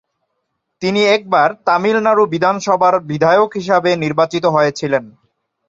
তিনি একবার তামিলনাড়ু বিধানসভার বিধায়ক হিসেবে নির্বাচিত হয়েছিলেন।